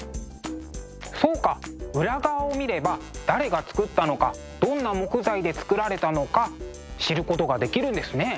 そうか裏側を見れば誰が作ったのかどんな木材で作られたのか知ることができるんですね。